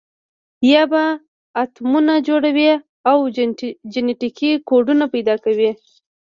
یا به اتمونه جوړوي او جنټیکي کوډونه پیدا کوي.